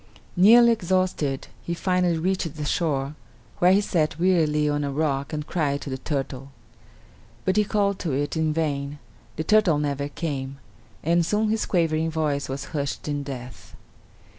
Nearly exhausted; he finally reached the shore, where he sat wearily on a rock and cried to the turtle. But he called to it in vain; the turtle never came, and soon his quavering voice was hushed in death.